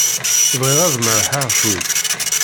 Bɣiɣ ad merrḥeɣ cwiṭ.